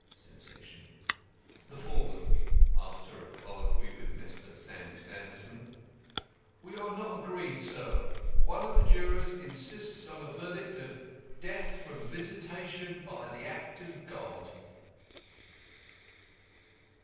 (Sensation.) The FOREMAN (after a colloquy with Mr. Sandy Sanderson): We are not agreed, sir. One of the jurors insists on a verdict of "Death from visitation by the act of God."